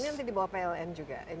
ini nanti dibawa pln juga